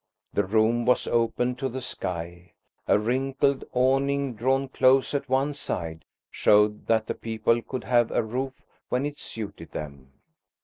The room was open to the sky; a wrinkled awning drawn close at one side showed that the people could have a roof when it suited them.